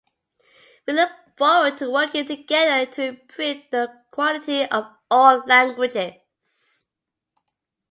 We look forward to working together to improve the quality of all languages!